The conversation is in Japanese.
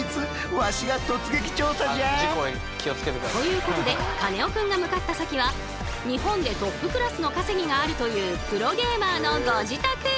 わしが突撃調査じゃ！ということでカネオくんが向かった先は日本でトップクラスの稼ぎがあるというプロゲーマーのご自宅！